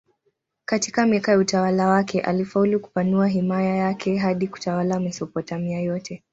Katika miaka ya utawala wake alifaulu kupanua himaya yake hadi kutawala Mesopotamia yote.